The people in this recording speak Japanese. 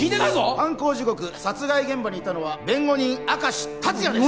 犯行時刻殺害現場にいたのは弁護人明石達也です